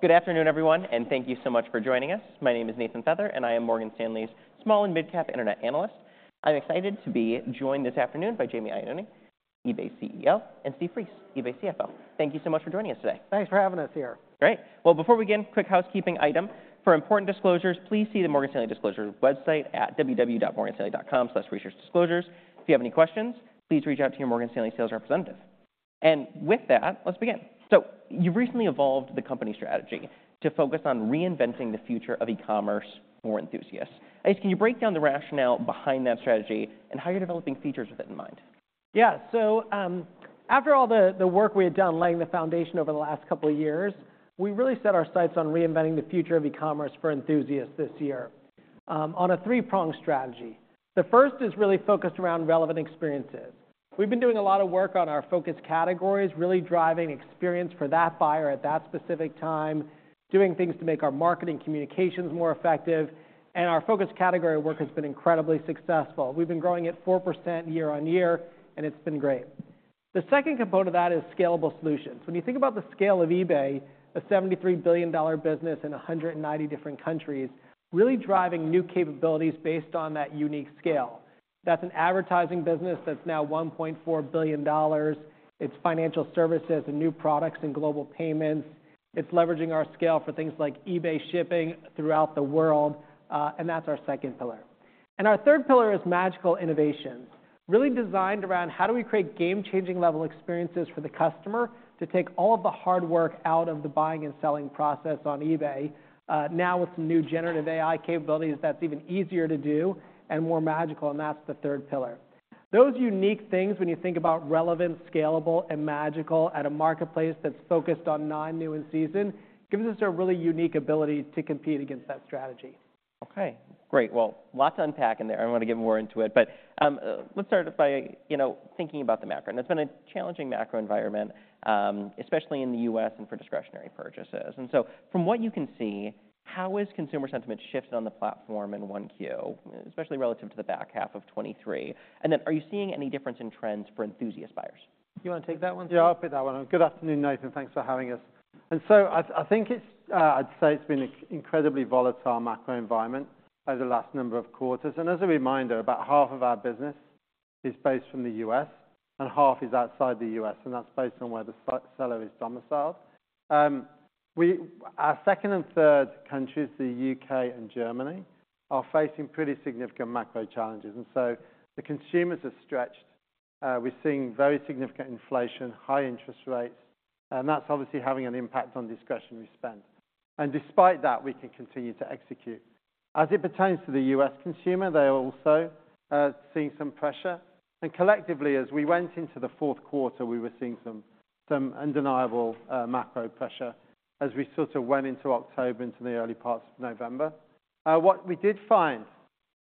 Good afternoon, everyone, and thank you so much for joining us. My name is Nathan Feather, and I am Morgan Stanley's small and mid-cap internet analyst. I'm excited to be joined this afternoon by Jamie Iannone, eBay CEO, and Steve Priest, eBay CFO. Thank you so much for joining us today. Thanks for having us here. Great. Well, before we begin, quick housekeeping item. For important disclosures, please see the Morgan Stanley Disclosures website at www.morganstanley.com/researchdisclosures. If you have any questions, please reach out to your Morgan Stanley sales representative. And with that, let's begin. So you've recently evolved the company strategy to focus on reinventing the future of e-commerce for enthusiasts. I guess, can you break down the rationale behind that strategy and how you're developing features with it in mind? Yeah. So after all the work we had done laying the foundation over the last couple of years, we really set our sights on reinventing the future of e-commerce for enthusiasts this year on a three-pronged strategy. The first is really focused around relevant experiences. We've been doing a lot of work on our focus categories, really driving experience for that buyer at that specific time, doing things to make our marketing communications more effective. And our focus category work has been incredibly successful. We've been growing at 4% year-over-year, and it's been great. The second component of that is scalable solutions. When you think about the scale of eBay, a $73 billion business in 190 different countries, really driving new capabilities based on that unique scale. That's an advertising business that's now $1.4 billion. It's financial services and new products and global payments. It's leveraging our scale for things like eBay shipping throughout the world, and that's our second pillar. Our third pillar is magical innovations, really designed around how do we create game-changing level experiences for the customer to take all of the hard work out of the buying and selling process on eBay, now with some new generative AI capabilities that's even easier to do and more magical. That's the third pillar. Those unique things, when you think about relevant, scalable, and magical at a marketplace that's focused on non-new in season, gives us a really unique ability to compete against that strategy. OK, great. Well, lots to unpack in there. I don't want to get more into it. Let's start by thinking about the macro. It's been a challenging macro environment, especially in the US and for discretionary purchases. So from what you can see, how has consumer sentiment shifted on the platform in 1Q, especially relative to the back half of 2023? Then are you seeing any difference in trends for enthusiast buyers? You want to take that one? Yeah, I'll pick that one. Good afternoon, Nathan, thanks for having us. So, I think it's, I'd say, it's been an incredibly volatile macro environment over the last number of quarters. As a reminder, about half of our business is based from the U.S., and half is outside the U.S. That's based on where the seller is domiciled. Our second and third countries, the U.K. and Germany, are facing pretty significant macro challenges. So the consumers are stretched. We're seeing very significant inflation, high interest rates. That's obviously having an impact on discretionary spend. Despite that, we can continue to execute. As it pertains to the U.S. consumer, they are also seeing some pressure. Collectively, as we went into the Q4, we were seeing some undeniable macro pressure as we sort of went into October, into the early parts of November. What we did find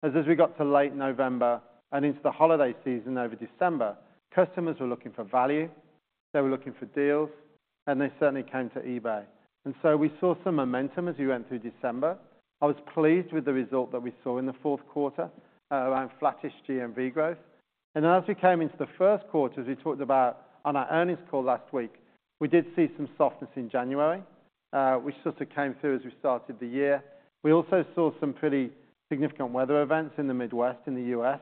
is as we got to late November and into the holiday season over December, customers were looking for value. They were looking for deals. They certainly came to eBay. So we saw some momentum as we went through December. I was pleased with the result that we saw in the Q4 around flattish GMV growth. Then as we came into the Q1, as we talked about on our earnings call last week, we did see some softness in January, which sort of came through as we started the year. We also saw some pretty significant weather events in the Midwest, in the U.S.,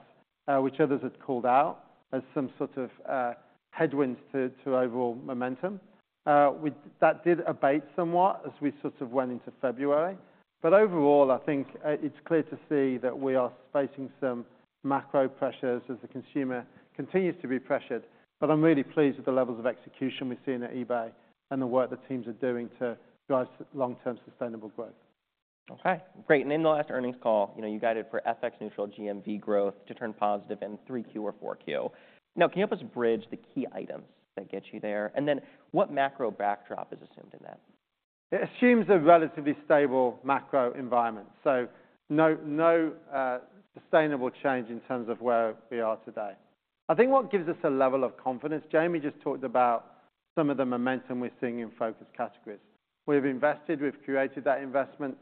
which others had called out as some sort of headwinds to overall momentum. That did abate somewhat as we sort of went into February. Overall, I think it's clear to see that we are facing some macro pressures as the consumer continues to be pressured. But I'm really pleased with the levels of execution we're seeing at eBay and the work the teams are doing to drive long-term sustainable growth. OK, great. And in the last earnings call, you guided for FX-neutral GMV growth to turn positive in 3Q or 4Q. Now, can you help us bridge the key items that get you there? And then what macro backdrop is assumed in that? It assumes a relatively stable macro environment, so no sustainable change in terms of where we are today. I think what gives us a level of confidence. Jamie just talked about some of the momentum we're seeing in focus categories. We have invested. We've created that investment.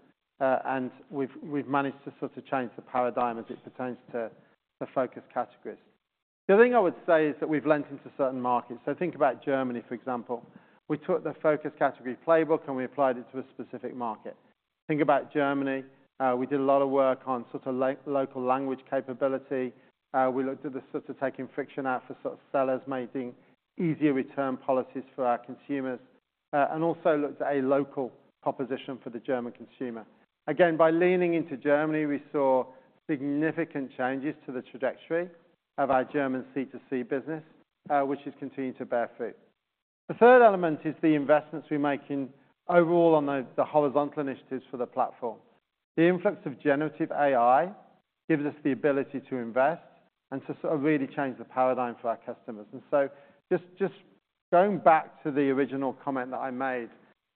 We've managed to sort of change the paradigm as it pertains to the focus categories. The other thing I would say is that we've lent into certain markets. Think about Germany, for example. We took the focus category playbook, and we applied it to a specific market. Think about Germany. We did a lot of work on sort of local language capability. We looked at the sort of taking friction out for sort of sellers, making easier return policies for our consumers, and also looked at a local proposition for the German consumer. Again, by leaning into Germany, we saw significant changes to the trajectory of our German C2C business, which has continued to bear fruit. The third element is the investments we're making overall on the horizontal initiatives for the platform. The influx of generative AI gives us the ability to invest and to sort of really change the paradigm for our customers. And so just going back to the original comment that I made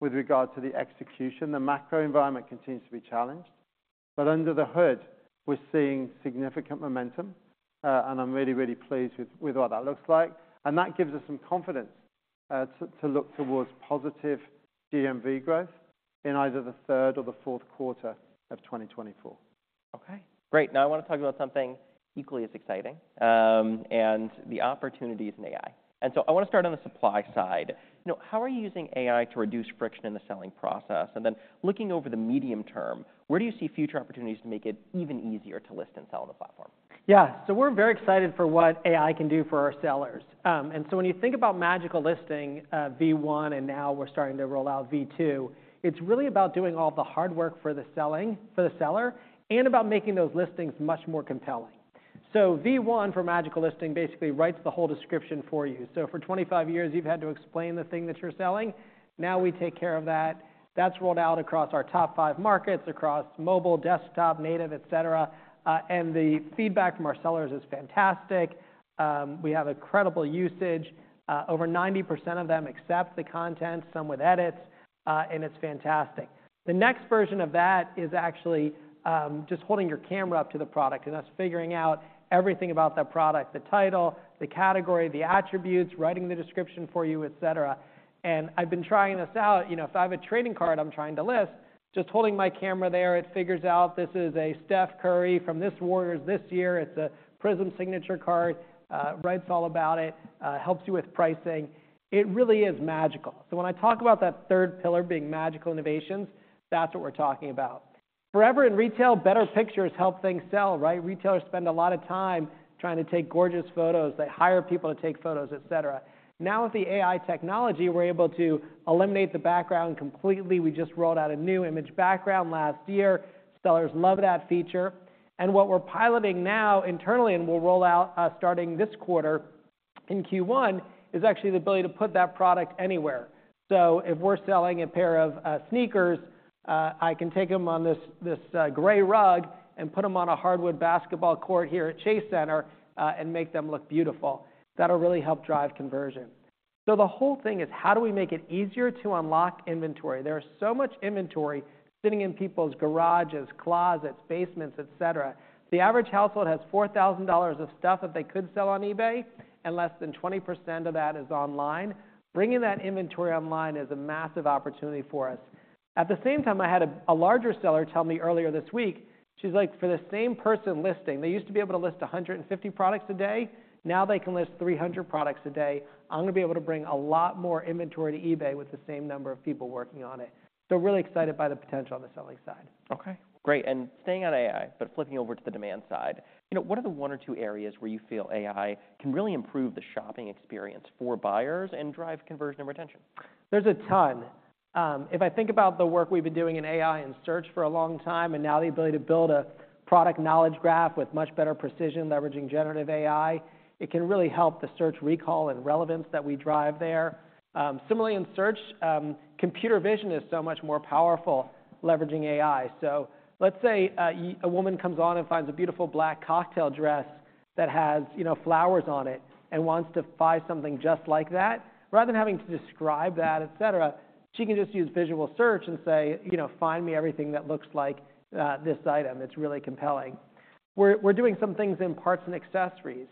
with regard to the execution, the macro environment continues to be challenged. But under the hood, we're seeing significant momentum. And I'm really, really pleased with what that looks like. And that gives us some confidence to look towards positive GMV growth in either the third or the Q4 of 2024. OK, great. Now I want to talk about something equally as exciting and the opportunities in AI. I want to start on the supply side. How are you using AI to reduce friction in the selling process? Looking over the medium term, where do you see future opportunities to make it even easier to list and sell on the platform? Yeah. So we're very excited for what AI can do for our sellers. And so when you think about Magical Listing, v1, and now we're starting to roll out v2, it's really about doing all of the hard work for the selling for the seller and about making those listings much more compelling. So v1 for Magical Listing basically writes the whole description for you. So for 25 years, you've had to explain the thing that you're selling. Now we take care of that. That's rolled out across our top five markets, across mobile, desktop, native, et cetera. And the feedback from our sellers is fantastic. We have incredible usage. Over 90% of them accept the content, some with edits. And it's fantastic. The next version of that is actually just holding your camera up to the product and us figuring out everything about that product, the title, the category, the attributes, writing the description for you, et cetera. I've been trying this out. If I have a trading card I'm trying to list, just holding my camera there, it figures out this is a Steph Curry from this Warriors this year. It's a Prism signature card. Writes all about it. Helps you with pricing. It really is magical. So when I talk about that third pillar being magical innovations, that's what we're talking about. Forever in retail, better pictures help things sell, right? Retailers spend a lot of time trying to take gorgeous photos. They hire people to take photos, et cetera. Now with the AI technology, we're able to eliminate the background completely. We just rolled out a new image background last year. Sellers love that feature. What we're piloting now internally, and we'll roll out starting this quarter in Q1, is actually the ability to put that product anywhere. If we're selling a pair of sneakers, I can take them on this gray rug and put them on a hardwood basketball court here at Chase Center and make them look beautiful. That'll really help drive conversion. The whole thing is, how do we make it easier to unlock inventory? There is so much inventory sitting in people's garages, closets, basements, et cetera. The average household has $4,000 of stuff that they could sell on eBay, and less than 20% of that is online. Bringing that inventory online is a massive opportunity for us. At the same time, I had a larger seller tell me earlier this week, she's like, for the same person listing, they used to be able to list 150 products a day. Now they can list 300 products a day. I'm going to be able to bring a lot more inventory to eBay with the same number of people working on it. So really excited by the potential on the selling side. OK, great. Staying on AI, but flipping over to the demand side, what are the one or two areas where you feel AI can really improve the shopping experience for buyers and drive conversion and retention? There's a ton. If I think about the work we've been doing in AI and search for a long time, and now the ability to build a Product Knowledge Graph with much better precision leveraging generative AI, it can really help the search recall and relevance that we drive there. Similarly, in search, computer vision is so much more powerful leveraging AI. So let's say a woman comes on and finds a beautiful black cocktail dress that has flowers on it and wants to buy something just like that. Rather than having to describe that, et cetera, she can just use visual search and say, find me everything that looks like this item. It's really compelling. We're doing some things in parts and accessories.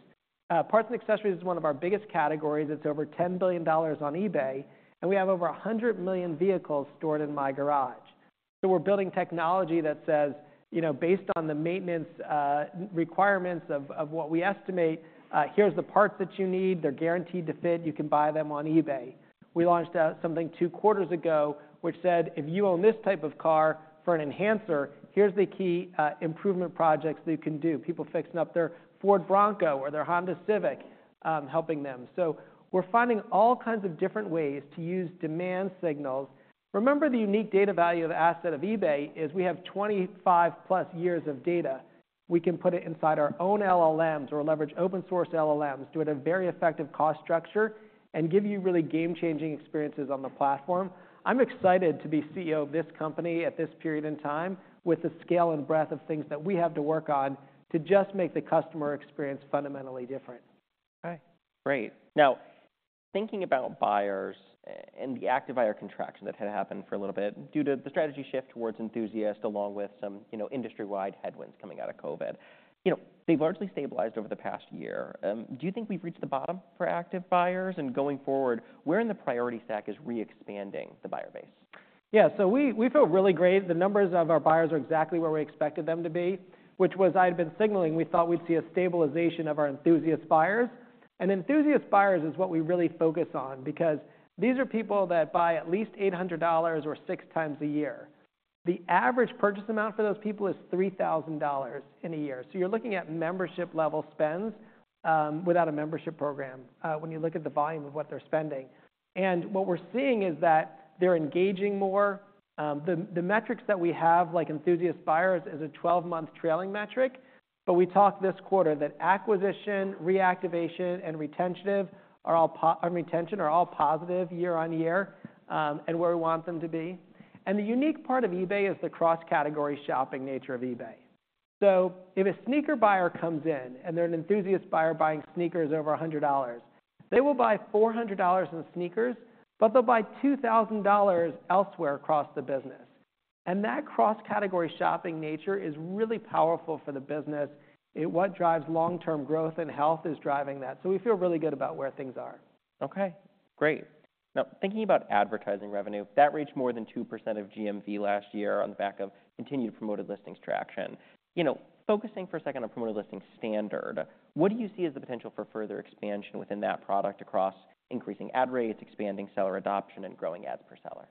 Parts and accessories is one of our biggest categories. It's over $10 billion on eBay. We have over 100 million vehicles stored in My Garage. So we're building technology that says, based on the maintenance requirements of what we estimate, here's the parts that you need. They're guaranteed to fit. You can buy them on eBay. We launched something two quarters ago, which said, if you own this type of car for an enhancer, here's the key improvement projects that you can do. People fixing up their Ford Bronco or their Honda Civic, helping them. So we're finding all kinds of different ways to use demand signals. Remember, the unique data value of the asset of eBay is we have 25+ years of data. We can put it inside our own LLMs or leverage open source LLMs, do it at a very effective cost structure, and give you really game-changing experiences on the platform. I'm excited to be CEO of this company at this period in time with the scale and breadth of things that we have to work on to just make the customer experience fundamentally different. OK, great. Now, thinking about buyers and the active buyer contraction that had happened for a little bit due to the strategy shift towards enthusiast, along with some industry-wide headwinds coming out of COVID, they've largely stabilized over the past year. Do you think we've reached the bottom for active buyers? And going forward, where in the priority stack is re-expanding the buyer base? Yeah, so we feel really great. The numbers of our buyers are exactly where we expected them to be, which was I had been signaling we thought we'd see a stabilization of our enthusiast buyers. Enthusiast buyers is what we really focus on, because these are people that buy at least $800 or six times a year. The average purchase amount for those people is $3,000 in a year. You're looking at membership-level spends without a membership program when you look at the volume of what they're spending. What we're seeing is that they're engaging more. The metrics that we have, like enthusiast buyers, is a 12-month trailing metric. But we talked this quarter that acquisition, reactivation, and retention are all positive year-over-year and where we want them to be. The unique part of eBay is the cross-category shopping nature of eBay. So if a sneaker buyer comes in, and they're an enthusiast buyer buying sneakers over $100, they will buy $400 in sneakers, but they'll buy $2,000 elsewhere across the business. And that cross-category shopping nature is really powerful for the business. What drives long-term growth and health is driving that. So we feel really good about where things are. OK, great. Now, thinking about advertising revenue, that reached more than 2% of GMV last year on the back of continued Promoted Listings traction. Focusing for a second on Promoted Listings Standard, what do you see as the potential for further expansion within that product across increasing ad rates, expanding seller adoption, and growing ads per seller?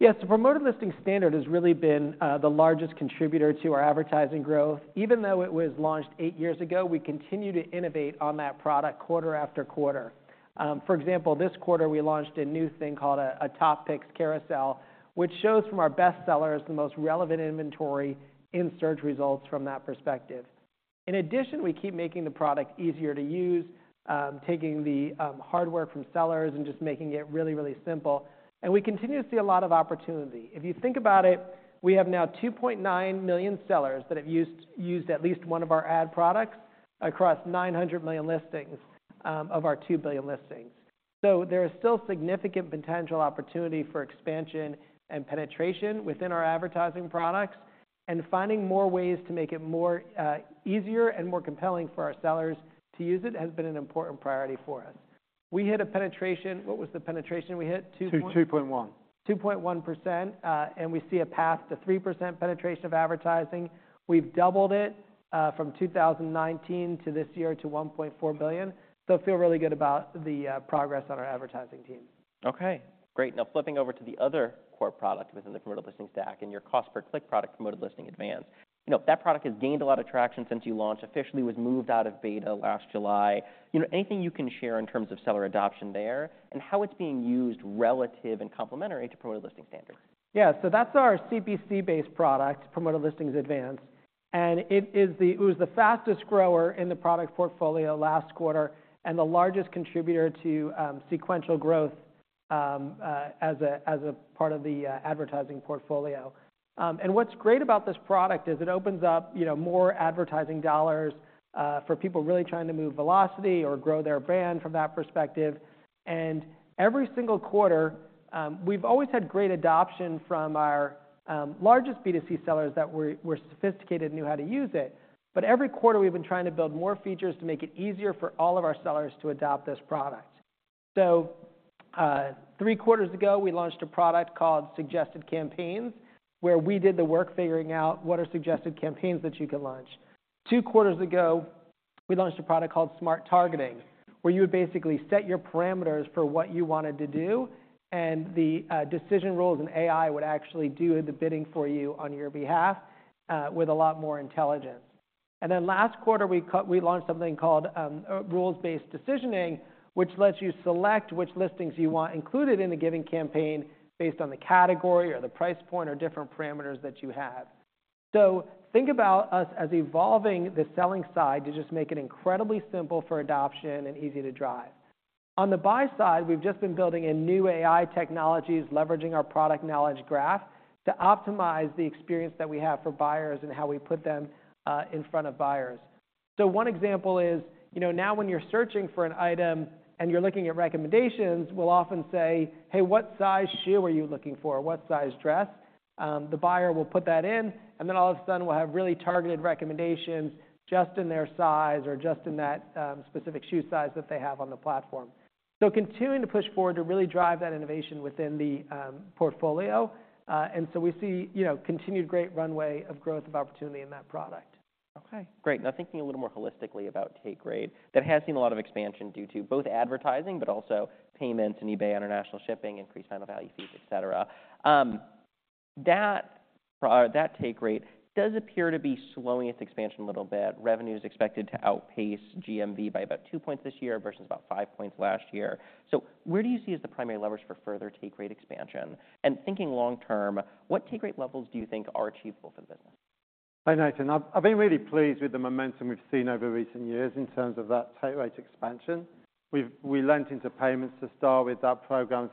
Yeah, so Promoted Listings Standard has really been the largest contributor to our advertising growth. Even though it was launched eight years ago, we continue to innovate on that product quarter after quarter. For example, this quarter, we launched a new thing called a Top Picks Carousel, which shows from our best sellers the most relevant inventory in search results from that perspective. In addition, we keep making the product easier to use, taking the hard work from sellers and just making it really, really simple. We continue to see a lot of opportunity. If you think about it, we have now 2.9 million sellers that have used at least one of our ad products across 900 million listings of our 2 billion listings. There is still significant potential opportunity for expansion and penetration within our advertising products. Finding more ways to make it easier and more compelling for our sellers to use it has been an important priority for us. We hit a penetration. What was the penetration we hit? To 2.1%. 2.1%. We see a path to 3% penetration of advertising. We've doubled it from 2019 to this year to $1.4 billion. I feel really good about the progress on our advertising team. OK, great. Now, flipping over to the other core product within the promoted listings stack and your cost per click product, Promoted Listings Advanced. That product has gained a lot of traction since you launched, officially was moved out of beta last July. Anything you can share in terms of seller adoption there and how it's being used relative and complementary to Promoted Listings Standard? Yeah, so that's our CPC-based product, Promoted Listings Advanced. And it was the fastest grower in the product portfolio last quarter and the largest contributor to sequential growth as a part of the advertising portfolio. And what's great about this product is it opens up more advertising dollars for people really trying to move velocity or grow their brand from that perspective. And every single quarter, we've always had great adoption from our largest B2C sellers that were sophisticated and knew how to use it. But every quarter, we've been trying to build more features to make it easier for all of our sellers to adopt this product. So three quarters ago, we launched a product called Suggested Campaigns, where we did the work figuring out what are Suggested Campaigns that you can launch. Two quarters ago, we launched a product called Smart Targeting, where you would basically set your parameters for what you wanted to do, and the decision rules and AI would actually do the bidding for you on your behalf with a lot more intelligence. And then last quarter, we launched something called rules-based decisioning, which lets you select which listings you want included in a given campaign based on the category or the price point or different parameters that you have. So think about us as evolving the selling side to just make it incredibly simple for adoption and easy to drive. On the buy side, we've just been building in new AI technologies, leveraging our Product Knowledge Graph to optimize the experience that we have for buyers and how we put them in front of buyers. So, one example is, now when you're searching for an item and you're looking at recommendations, we'll often say, "Hey, what size shoe are you looking for? What size dress?" The buyer will put that in. And then all of a sudden, we'll have really targeted recommendations just in their size or just in that specific shoe size that they have on the platform. So, continuing to push forward to really drive that innovation within the portfolio. And so we see continued great runway of growth of opportunity in that product. OK, great. Now, thinking a little more holistically about take rate, that has seen a lot of expansion due to both advertising, but also payments and eBay International Shipping, increased final value fees, et cetera. That take rate does appear to be slowing its expansion a little bit. Revenue is expected to outpace GMV by about 2 points this year versus about 5 points last year. So where do you see as the primary levers for further take rate expansion? And thinking long term, what take rate levels do you think are achievable for the business? Hi, Nathan. I've been really pleased with the momentum we've seen over recent years in terms of that take rate expansion. We lent into payments to start with. That program has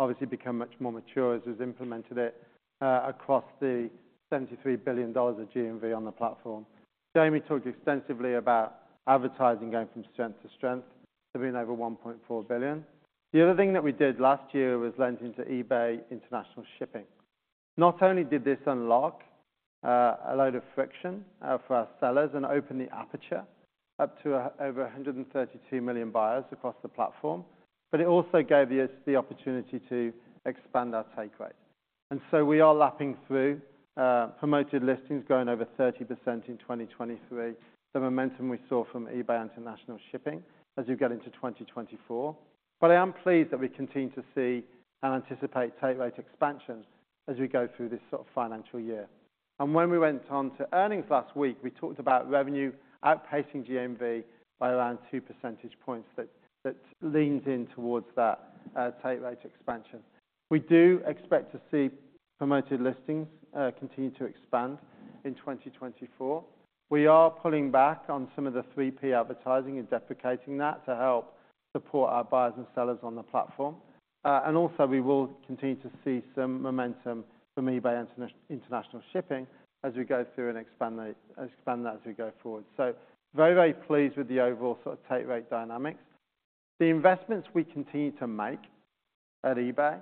obviously become much more mature as we've implemented it across the $73 billion of GMV on the platform. Jamie talked extensively about advertising going from strength to strength. They're being over $1.4 billion. The other thing that we did last year was lend into eBay International Shipping. Not only did this unlock a load of friction for our sellers and open the aperture up to over 132 million buyers across the platform, but it also gave us the opportunity to expand our take rate. And so we are lapping through Promoted Listings, growing over 30% in 2023, the momentum we saw from eBay International Shipping as we get into 2024. I am pleased that we continue to see and anticipate take rate expansion as we go through this sort of financial year. When we went on to earnings last week, we talked about revenue outpacing GMV by around two percentage points that leans in towards that take rate expansion. We do expect to see Promoted Listings continue to expand in 2024. We are pulling back on some of the 3P advertising and deprecating that to help support our buyers and sellers on the platform. Also, we will continue to see some momentum from eBay International Shipping as we go through and expand that as we go forward. Very, very pleased with the overall take rate dynamics. The investments we continue to make at eBay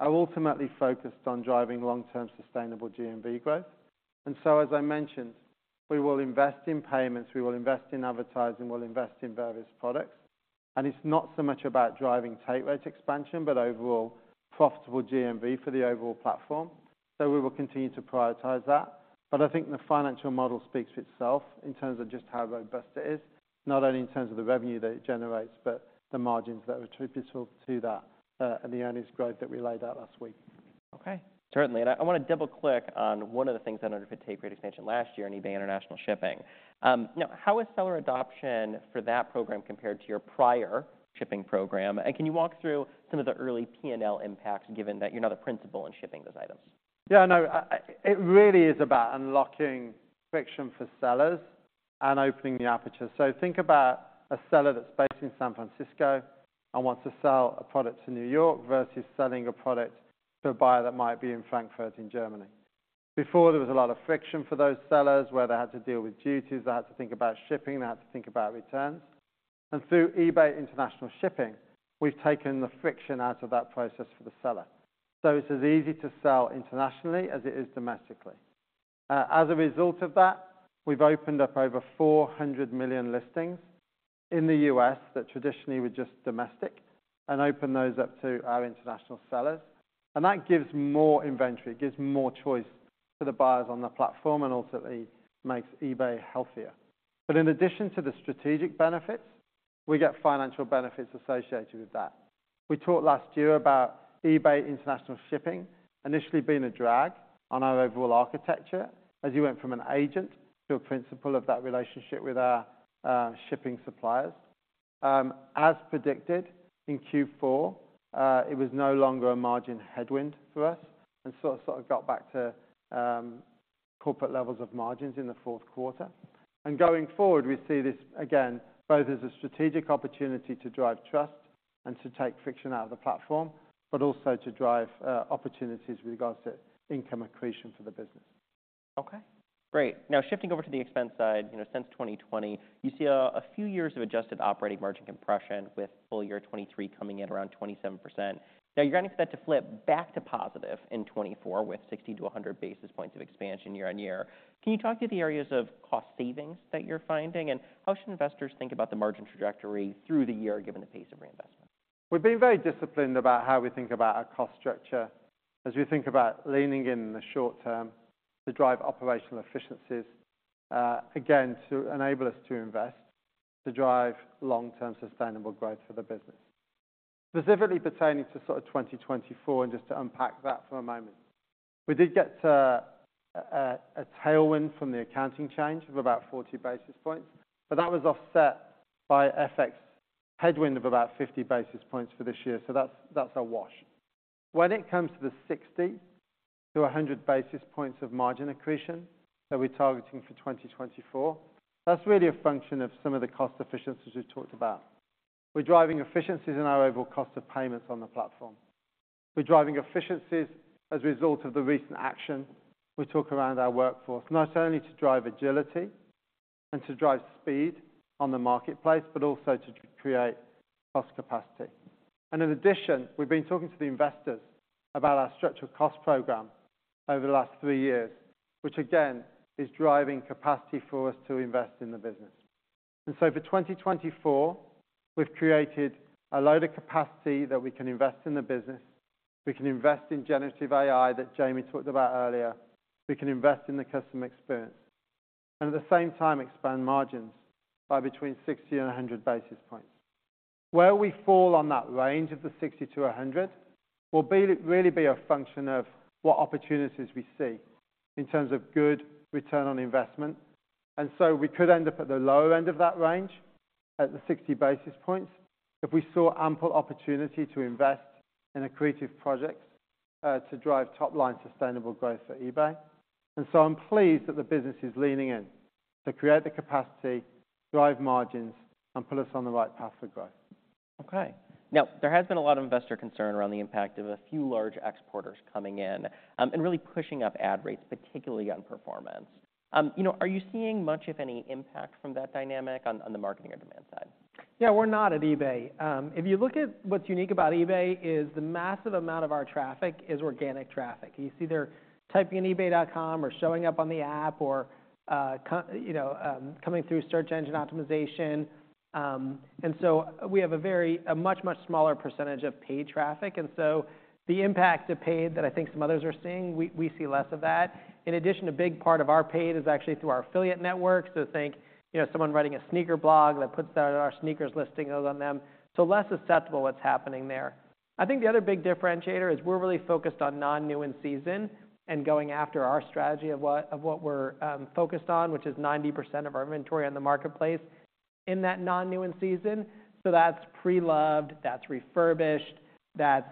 are ultimately focused on driving long-term sustainable GMV growth. So, as I mentioned, we will invest in payments. We will invest in advertising. We'll invest in various products. It's not so much about driving take rate expansion, but overall profitable GMV for the overall platform. We will continue to prioritize that. I think the financial model speaks for itself in terms of just how robust it is, not only in terms of the revenue that it generates, but the margins that are attributable to that and the earnings growth that we laid out last week. OK, certainly. And I want to double click on one of the things that undertook Take Rate expansion last year in eBay International Shipping. Now, how is seller adoption for that program compared to your prior shipping program? And can you walk through some of the early P&L impacts, given that you're now the principal in shipping those items? Yeah, no, it really is about unlocking friction for sellers and opening the aperture. So think about a seller that's based in San Francisco and wants to sell a product to New York versus selling a product to a buyer that might be in Frankfurt in Germany. Before, there was a lot of friction for those sellers, where they had to deal with duties. They had to think about shipping. They had to think about returns. And through eBay International Shipping, we've taken the friction out of that process for the seller. So it's as easy to sell internationally as it is domestically. As a result of that, we've opened up over 400 million listings in the U.S. that traditionally were just domestic and opened those up to our international sellers. And that gives more inventory. It gives more choice to the buyers on the platform and ultimately makes eBay healthier. But in addition to the strategic benefits, we get financial benefits associated with that. We talked last year about eBay International Shipping initially being a drag on our overall architecture, as you went from an agent to a principal of that relationship with our shipping suppliers. As predicted in Q4, it was no longer a margin headwind for us and sort of got back to corporate levels of margins in the Q4. And going forward, we see this again both as a strategic opportunity to drive trust and to take friction out of the platform, but also to drive opportunities with regards to income accretion for the business. OK, great. Now, shifting over to the expense side, since 2020, you see a few years of adjusted operating margin compression, with full year 2023 coming in around 27%. Now, you're going to expect to flip back to positive in 2024 with 60-100 basis points of expansion year-on-year. Can you talk to the areas of cost savings that you're finding? And how should investors think about the margin trajectory through the year, given the pace of reinvestment? We've been very disciplined about how we think about our cost structure as we think about leaning in in the short term to drive operational efficiencies, again, to enable us to invest to drive long-term sustainable growth for the business. Specifically pertaining to 2024 and just to unpack that for a moment, we did get a tailwind from the accounting change of about 40 basis points. But that was offset by FX headwind of about 50 basis points for this year. So that's a wash. When it comes to the 60-100 basis points of margin accretion that we're targeting for 2024, that's really a function of some of the cost efficiencies we've talked about. We're driving efficiencies in our overall cost of payments on the platform. We're driving efficiencies as a result of the recent action we took around our workforce, not only to drive agility and to drive speed on the marketplace, but also to create cost capacity. In addition, we've been talking to the investors about our structural cost program over the last three years, which again is driving capacity for us to invest in the business. So for 2024, we've created a load of capacity that we can invest in the business. We can invest in generative AI that Jamie talked about earlier. We can invest in the customer experience and at the same time expand margins by between 60 and 100 basis points. Where we fall on that range of the 60-100 will really be a function of what opportunities we see in terms of good return on investment. We could end up at the lower end of that range, at the 60 basis points, if we saw ample opportunity to invest in accretive projects to drive top-line sustainable growth for eBay. I'm pleased that the business is leaning in to create the capacity, drive margins, and pull us on the right path for growth. OK, now, there has been a lot of investor concern around the impact of a few large exporters coming in and really pushing up ad rates, particularly on performance. Are you seeing much, if any, impact from that dynamic on the marketing or demand side? Yeah, we're not at eBay. If you look at what's unique about eBay is the massive amount of our traffic is organic traffic. You see they're typing in eBay.com or showing up on the app or coming through search engine optimization. And so we have a much, much smaller percentage of paid traffic. And so the impact of paid that I think some others are seeing, we see less of that. In addition, a big part of our paid is actually through our affiliate network. So think someone writing a sneaker blog that puts out our sneakers listing on them. So less susceptible what's happening there. I think the other big differentiator is we're really focused on non-new in season and going after our strategy of what we're focused on, which is 90% of our inventory on the marketplace in that non-new in season. So that's pre-loved. That's refurbished. That's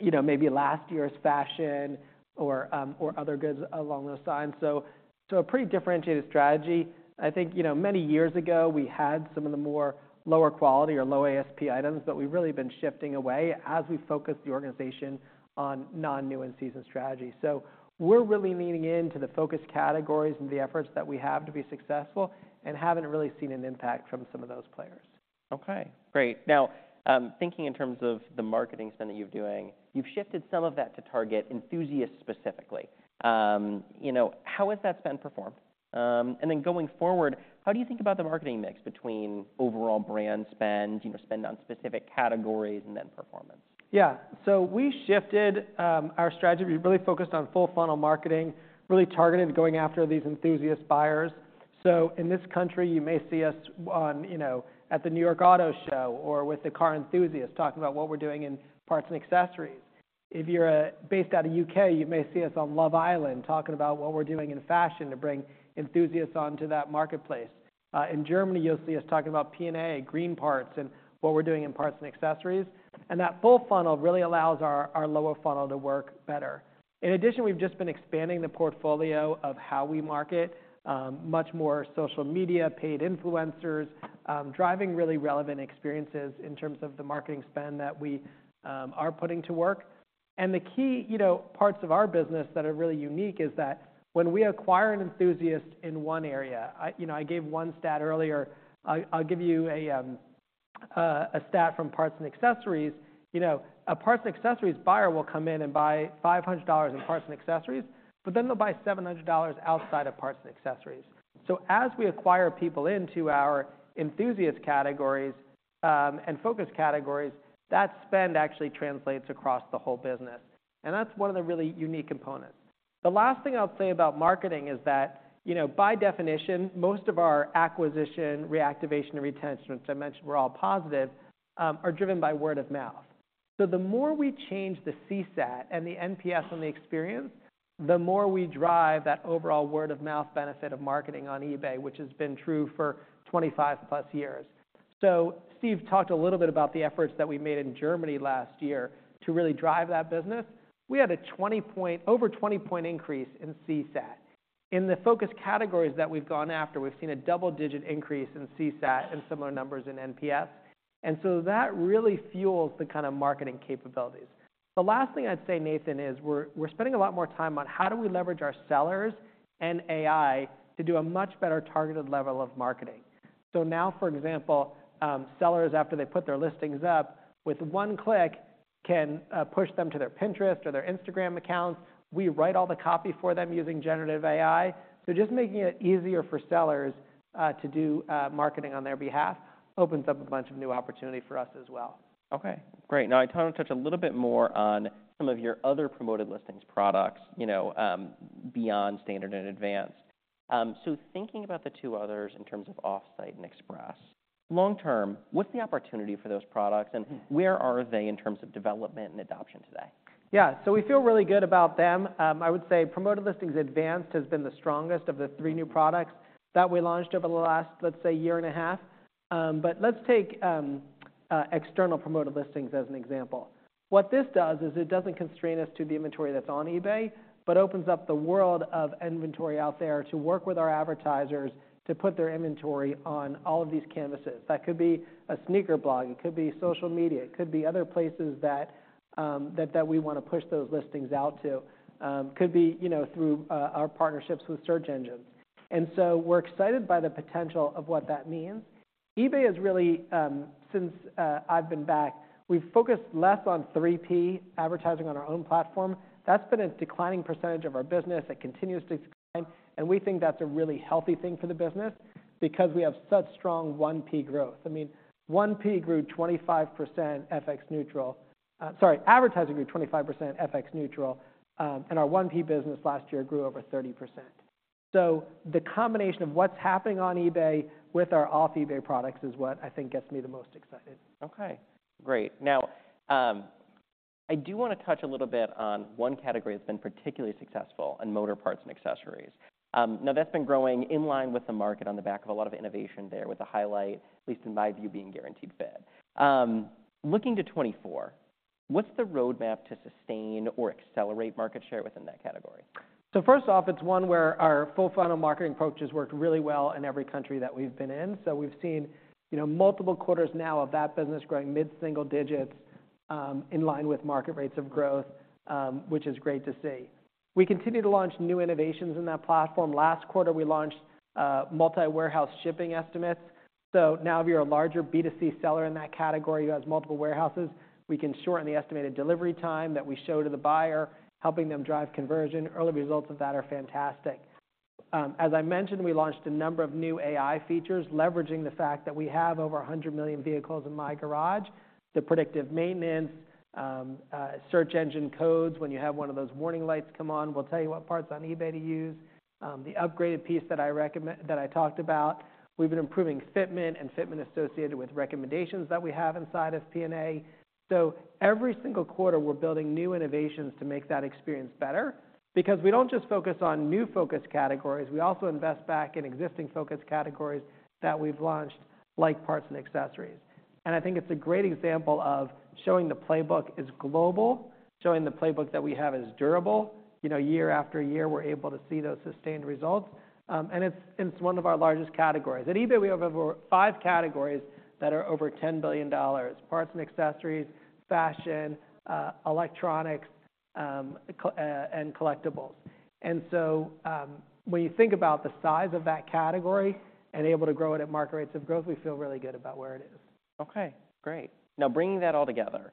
maybe last year's fashion or other goods along those lines. So a pretty differentiated strategy. I think many years ago, we had some of the more lower quality or low ASP items. But we've really been shifting away as we focus the organization on non-new in season strategy. So we're really leaning into the focus categories and the efforts that we have to be successful and haven't really seen an impact from some of those players. OK, great. Now, thinking in terms of the marketing spend that you're doing, you've shifted some of that to target enthusiasts specifically. How has that spend performed? And then going forward, how do you think about the marketing mix between overall brand spend, spend on specific categories, and then performance? Yeah, so we shifted our strategy. We really focused on full funnel marketing, really targeted going after these enthusiast buyers. So in this country, you may see us at the New York Auto Show or with the car enthusiasts talking about what we're doing in parts and accessories. If you're based out of the U.K., you may see us on Love Island talking about what we're doing in fashion to bring enthusiasts onto that marketplace. In Germany, you'll see us talking about P&A, green parts, and what we're doing in parts and accessories. And that full funnel really allows our lower funnel to work better. In addition, we've just been expanding the portfolio of how we market, much more social media, paid influencers, driving really relevant experiences in terms of the marketing spend that we are putting to work. The key parts of our business that are really unique is that when we acquire an enthusiast in one area, I gave one stat earlier. I'll give you a stat from parts and accessories. A parts and accessories buyer will come in and buy $500 in parts and accessories. But then they'll buy $700 outside of parts and accessories. So as we acquire people into our enthusiast categories and focus categories, that spend actually translates across the whole business. And that's one of the really unique components. The last thing I'll say about marketing is that by definition, most of our acquisition, reactivation, and retention, which I mentioned were all positive, are driven by word of mouth. So the more we change the CSAT and the NPS on the experience, the more we drive that overall word of mouth benefit of marketing on eBay, which has been true for 25+ years. So Steve talked a little bit about the efforts that we made in Germany last year to really drive that business. We had a 20-point over 20-point increase in CSAT. In the focus categories that we've gone after, we've seen a double-digit increase in CSAT and similar numbers in NPS. And so that really fuels the kind of marketing capabilities. The last thing I'd say, Nathan, is we're spending a lot more time on how do we leverage our sellers and AI to do a much better targeted level of marketing. So now, for example, sellers, after they put their listings up, with one click can push them to their Pinterest or their Instagram accounts. We write all the copy for them using generative AI. So just making it easier for sellers to do marketing on their behalf opens up a bunch of new opportunity for us as well. OK, great. Now, I want to touch a little bit more on some of your other Promoted Listings products beyond Standard and Advanced. So thinking about the two others in terms of Offsite and Express, long term, what's the opportunity for those products? And where are they in terms of development and adoption today? Yeah, so we feel really good about them. I would say Promoted Listings Advanced has been the strongest of the 3 new products that we launched over the last, let's say, year and a half. But let's take External Promoted Listings as an example. What this does is it doesn't constrain us to the inventory that's on eBay, but opens up the world of inventory out there to work with our advertisers to put their inventory on all of these canvases. That could be a sneaker blog. It could be social media. It could be other places that we want to push those listings out to. It could be through our partnerships with search engines. And so we're excited by the potential of what that means. eBay has really, since I've been back, we've focused less on 3P advertising on our own platform. That's been a declining percentage of our business. It continues to decline. We think that's a really healthy thing for the business because we have such strong 1P growth. I mean, 1P grew 25% FX neutral sorry, advertising grew 25% FX neutral. Our 1P business last year grew over 30%. The combination of what's happening on eBay with our off-eBay products is what I think gets me the most excited. OK, great. Now, I do want to touch a little bit on one category that's been particularly successful in motor parts and accessories. Now, that's been growing in line with the market on the back of a lot of innovation there, with the highlight, at least in my view, being Guaranteed Fit. Looking to 2024, what's the roadmap to sustain or accelerate market share within that category? So first off, it's one where our full funnel marketing approach has worked really well in every country that we've been in. So we've seen multiple quarters now of that business growing mid-single digits in line with market rates of growth, which is great to see. We continue to launch new innovations in that platform. Last quarter, we launched multi-warehouse shipping estimates. So now, if you're a larger B2C seller in that category, you have multiple warehouses, we can shorten the estimated delivery time that we show to the buyer, helping them drive conversion. Early results of that are fantastic. As I mentioned, we launched a number of new AI features, leveraging the fact that we have over 100 million vehicles in My Garage. The predictive maintenance, search engine codes when you have one of those warning lights come on will tell you what parts on eBay to use. The upgraded piece that I talked about, we've been improving fitment and fitment associated with recommendations that we have inside of P&A. So every single quarter, we're building new innovations to make that experience better. Because we don't just focus on new focus categories, we also invest back in existing focus categories that we've launched, like parts and accessories. And I think it's a great example of showing the playbook is global, showing the playbook that we have is durable. Year after year, we're able to see those sustained results. And it's one of our largest categories. At eBay, we have over five categories that are over $10 billion: parts and accessories, fashion, electronics, and collectibles. And so when you think about the size of that category and able to grow it at market rates of growth, we feel really good about where it is. OK, great. Now, bringing that all together,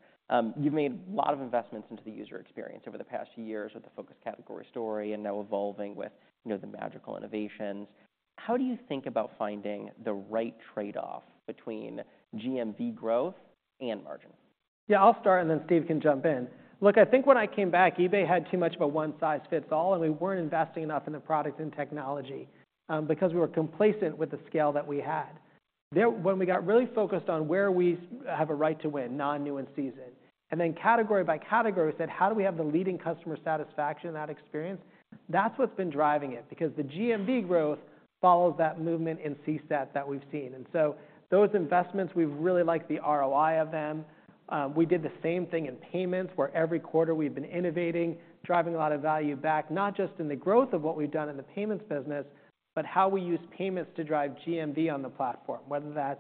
you've made a lot of investments into the user experience over the past years with the focus category story and now evolving with the magical innovations. How do you think about finding the right trade-off between GMV growth and margin? Yeah, I'll start, and then Steve can jump in. Look, I think when I came back, eBay had too much of a one-size-fits-all. And we weren't investing enough in the products and technology because we were complacent with the scale that we had. When we got really focused on where we have a right to win, non-new in season, and then category by category, we said, how do we have the leading customer satisfaction in that experience? That's what's been driving it. Because the GMV growth follows that movement in CSAT that we've seen. And so those investments, we've really liked the ROI of them. We did the same thing in payments, where every quarter, we've been innovating, driving a lot of value back, not just in the growth of what we've done in the payments business, but how we use payments to drive GMV on the platform, whether that's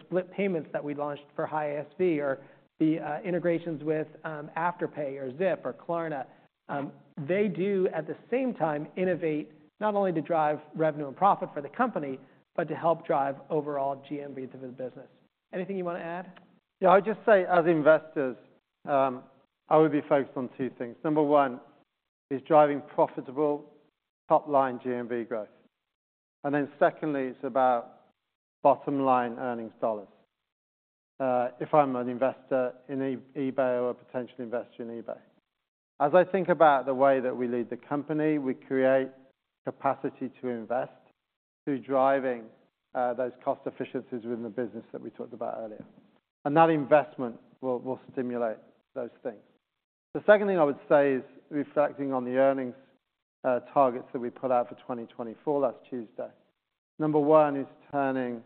split payments that we launched for high ASV or the integrations with Afterpay or Zip or Klarna. They do, at the same time, innovate not only to drive revenue and profit for the company, but to help drive overall GMV through the business. Anything you want to add? Yeah, I would just say, as investors, I would be focused on two things. Number one is driving profitable top-line GMV growth. And then secondly, it's about bottom-line earnings dollars, if I'm an investor in eBay or a potential investor in eBay. As I think about the way that we lead the company, we create capacity to invest through driving those cost efficiencies within the business that we talked about earlier. And that investment will stimulate those things. The second thing I would say is reflecting on the earnings targets that we put out for 2024. That's Tuesday. Number one is turning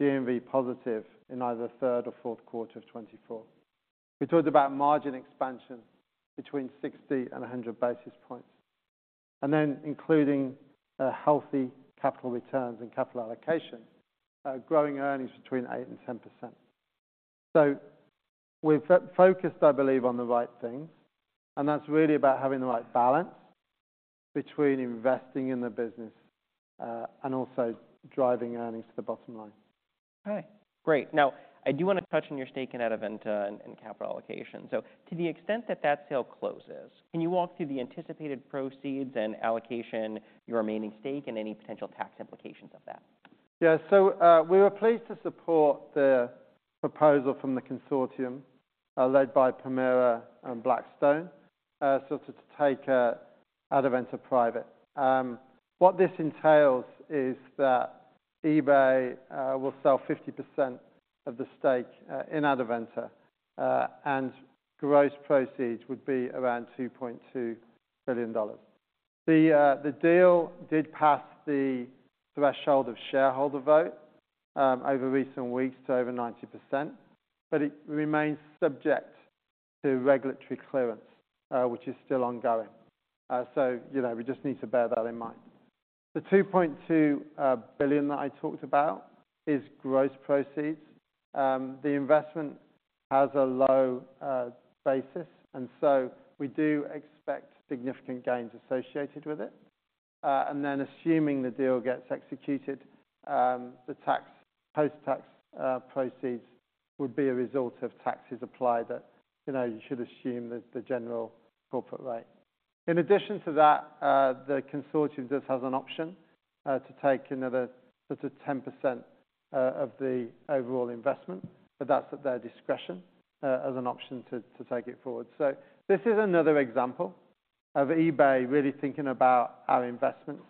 GMV positive in either third or Q4 of 2024. We talked about margin expansion between 60 and 100 basis points, and then including healthy capital returns and capital allocation, growing earnings between 8%-10%. So we've focused, I believe, on the right things. That's really about having the right balance between investing in the business and also driving earnings to the bottom line. OK, great. Now, I do want to touch on your stake in Adevinta and capital allocation. To the extent that that sale closes, can you walk through the anticipated proceeds and allocation, your remaining stake, and any potential tax implications of that? Yeah, so we were pleased to support the proposal from the consortium led by Permira and Blackstone to take Adevinta private. What this entails is that eBay will sell 50% of the stake in Adevinta. Gross proceeds would be around $2.2 billion. The deal did pass the threshold of shareholder vote over recent weeks to over 90%. It remains subject to regulatory clearance, which is still ongoing. We just need to bear that in mind. The $2.2 billion that I talked about is gross proceeds. The investment has a low basis. So we do expect significant gains associated with it. Then assuming the deal gets executed, the post-tax proceeds would be a result of taxes applied that you should assume the general corporate rate. In addition to that, the consortium just has an option to take another 10% of the overall investment. That's at their discretion as an option to take it forward. This is another example of eBay really thinking about our investments,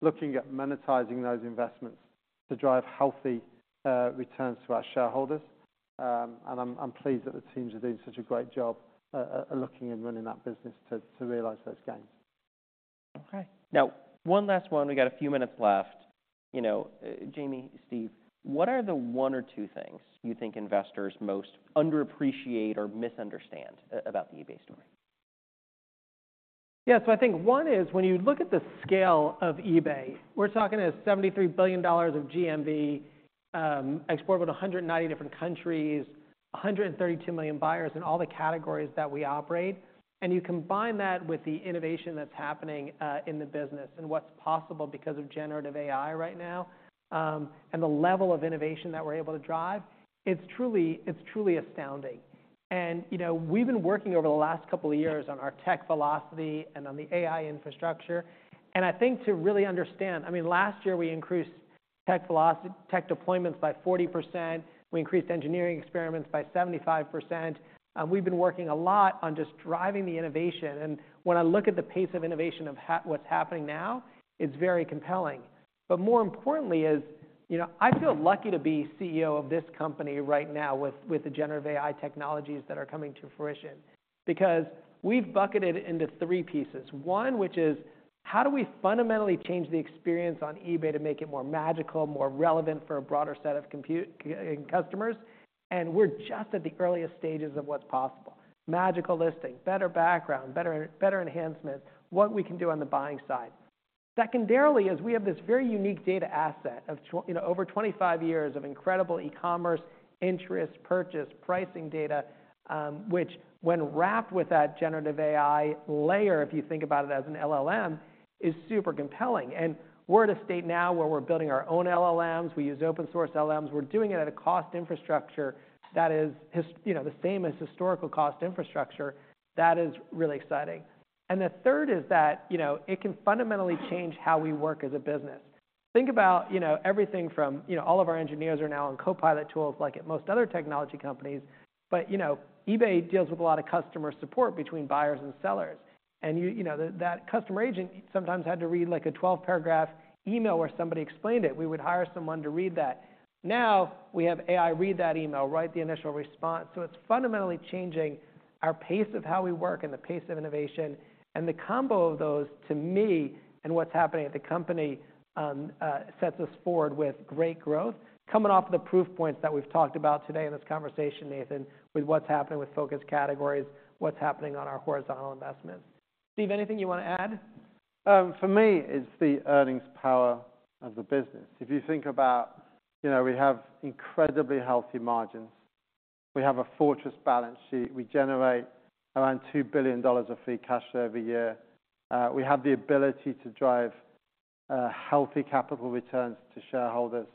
looking at monetizing those investments to drive healthy returns to our shareholders. I'm pleased that the teams are doing such a great job looking and running that business to realize those gains. OK, now, one last one. We got a few minutes left. Jamie, Steve, what are the one or two things you think investors most underappreciate or misunderstand about the eBay story? Yeah, so I think one is when you look at the scale of eBay, we're talking $73 billion of GMV, exported to 190 different countries, 132 million buyers in all the categories that we operate. And you combine that with the innovation that's happening in the business and what's possible because of generative AI right now and the level of innovation that we're able to drive, it's truly astounding. And we've been working over the last couple of years on our tech velocity and on the AI infrastructure. And I think to really understand I mean, last year, we increased tech deployments by 40%. We increased engineering experiments by 75%. We've been working a lot on just driving the innovation. And when I look at the pace of innovation of what's happening now, it's very compelling. But more importantly, I feel lucky to be CEO of this company right now with the generative AI technologies that are coming to fruition. Because we've bucketed it into three pieces, one, which is, how do we fundamentally change the experience on eBay to make it more magical, more relevant for a broader set of customers? And we're just at the earliest stages of what's possible: magical listing, better background, better enhancements, what we can do on the buying side. Secondarily, we have this very unique data asset of over 25 years of incredible e-commerce interest, purchase, pricing data, which, when wrapped with that generative AI layer, if you think about it as an LLM, is super compelling. And we're at a state now where we're building our own LLMs. We use open source LLMs. We're doing it at a cost infrastructure that is the same as historical cost infrastructure. That is really exciting. And the third is that it can fundamentally change how we work as a business. Think about everything from all of our engineers are now on Copilot tools like at most other technology companies. But eBay deals with a lot of customer support between buyers and sellers. And that customer agent sometimes had to read a 12-paragraph email where somebody explained it. We would hire someone to read that. Now, we have AI read that email, write the initial response. So it's fundamentally changing our pace of how we work and the pace of innovation. And the combo of those, to me, and what's happening at the company sets us forward with great growth, coming off of the proof points that we've talked about today in this conversation, Nathan, with what's happening with focus categories, what's happening on our horizontal investments. Steve, anything you want to add? For me, it's the earnings power of the business. If you think about we have incredibly healthy margins. We have a fortress balance sheet. We generate around $2 billion of free cash flow every year. We have the ability to drive healthy capital returns to shareholders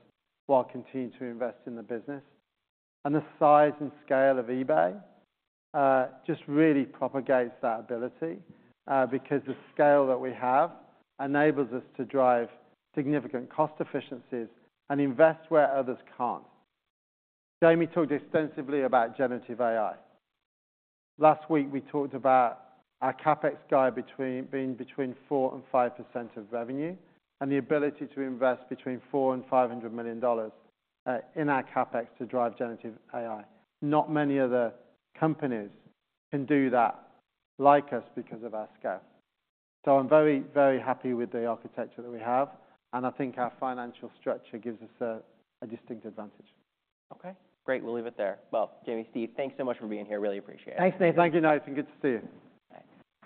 while continuing to invest in the business. And the size and scale of eBay just really propagates that ability. Because the scale that we have enables us to drive significant cost efficiencies and invest where others can't. Jamie talked extensively about generative AI. Last week, we talked about our CapEx guidance being between 4%-5% of revenue and the ability to invest between $400500 million in our CapEx to drive generative AI. Not many other companies can do that like us because of our scale. So I'm very, very happy with the architecture that we have. I think our financial structure gives us a distinct advantage. OK, great. We'll leave it there. Well, Jamie, Steve, thanks so much for being here. Really appreciate it. Thanks, Nathan. Thank you, Nathan. Good to see you. All right.